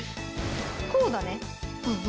こうだね。